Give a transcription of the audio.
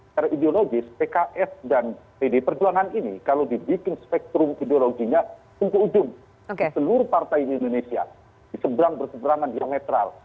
karena ideologis pks dan pd perjuangan ini kalau dibikin spektrum ideologinya untuk ujung di seluruh partai indonesia di seberang berseberangan yang netral